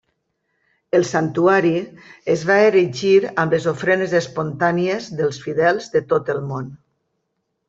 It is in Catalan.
El santuari es va erigir amb les ofrenes espontànies dels fidels de tot el món.